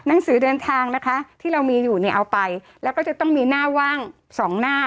หนังสือเดินทางนะคะที่เรามีอยู่เนี่ยเอาไปแล้วก็จะต้องมีหน้าว่างสองหน้า